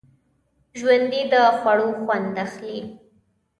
ژوندي د خوړو خوند اخلي